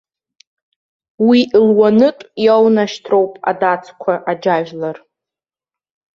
Уи луанытә иоунашьҭроуп адацқәа аџьажәлар.